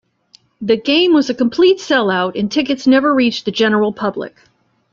The game was a complete sellout and tickets never reached the general public.